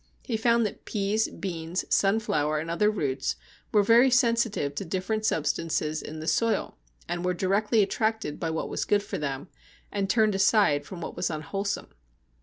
He found that peas, beans, sunflower, and other roots were very sensitive to different substances in the soil, and were directly attracted by what was good for them and turned aside from what was unwholesome.